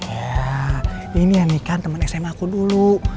ya ini yani kan temen sma aku dulu